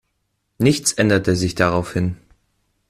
Nichts änderte sich daraufhin.